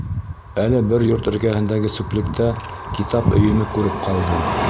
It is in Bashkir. Әле бер йорт эргәһендәге сүплектә китап өйөмө күреп ҡалдым.